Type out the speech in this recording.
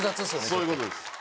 そういう事です。